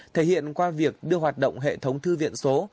thể hiện qua việc đưa hoạt động hệ thống thư viện số